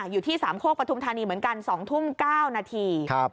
อยู่ที่สามโคกปฐุมธานีเหมือนกัน๒ทุ่ม๙นาที